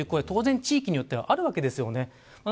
当然、地域によってはあるわけですよね。